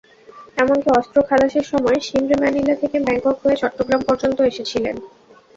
এমনকি অস্ত্র খালাসের সময় শিমরে ম্যানিলা থেকে ব্যাংকক হয়ে চট্টগ্রাম পর্যন্ত এসেছিলেন।